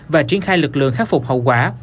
và triển khai lực lượng khắc phục hậu quả